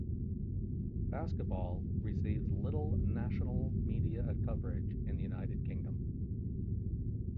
Basketball receives little national media coverage in the United Kingdom.